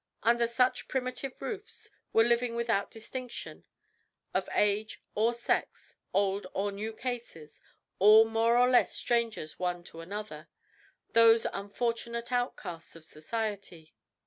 Under such primitive roofs were living without distinction of age or sex, old or new cases, all more or less strangers one to another, those unfortunate outcasts of society.